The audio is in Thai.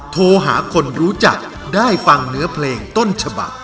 โทรหาคนรู้จักได้ฟังเนื้อเพลงต้นฉบัก